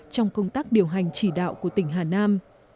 trong công tác điều hành chỉ đạo của tỉnh hà nam